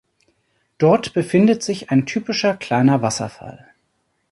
Dort befindet sich ein typischer kleiner Wasserfall.